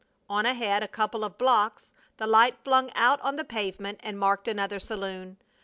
On ahead a couple of blocks the light flung out on the pavement and marked another saloon.